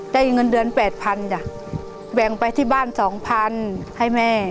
ได้เงินเดือน๘๐๐๐บาทแบ่งไปที่บ้าน๒๐๐๐บาทให้แม่